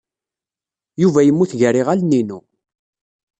Yuba yemmut gar yiɣallen-inu.